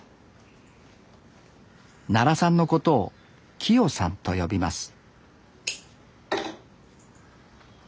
奈良さんのことをキヨさんと呼びます